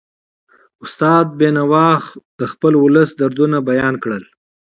استاد بینوا د خپل ولس دردونه بیان کړل.